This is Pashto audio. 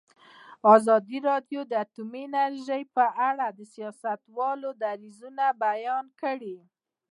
ازادي راډیو د اټومي انرژي په اړه د سیاستوالو دریځ بیان کړی.